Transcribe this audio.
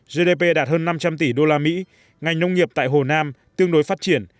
gdp đạt hơn năm trăm linh tỷ usd ngành nông nghiệp tại hồ nam tương đối phát triển